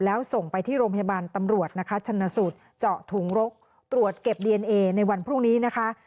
แล้วส่งไปที่โรงพยาบาลตำรวจนะคะชนสูตรเจาะถุงรกตรวจเก็บดีเอนเอในวันพรุ่งนี้นะคะ